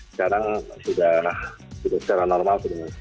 sekarang sudah secara normal